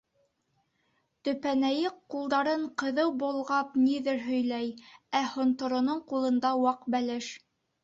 Төпәнәйе ҡулдарын ҡыҙыу болғап ниҙер һөйләй, ә һонтороноң ҡулында — ваҡ бәлеш.